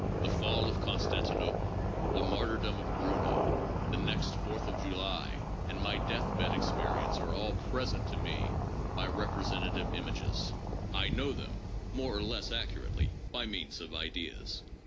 The fall of Constantinople, the martyrdom of Bruno, the next Fourth of July, and my death bed experience are all present to me by representative images. I know them more or less accurately by means of ideas.